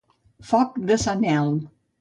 Foc de sant Elm.